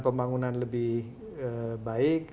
pembangunan lebih baik